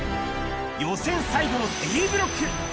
予選最後のＤブロック。